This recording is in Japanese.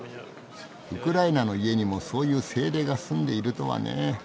ウクライナの家にもそういう精霊がすんでいるとはねえ。